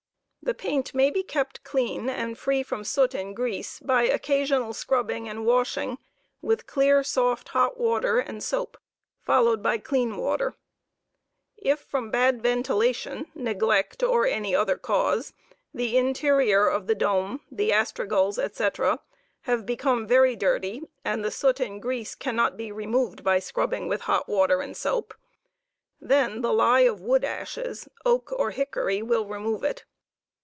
The paint may be kept clean and free from soot and grease by occasional scrubbing * and washing with clear, soft hot water and soap, followed by c^ean water. If from bad ventilation, neglect, or from any other cause, the interior of the dome, the astragals, &c, have become very dirty, and the soot and grease cannot be removed by scrubbing with hot water and soap, then the lye of wood ashes (oak or hickory) will remove it.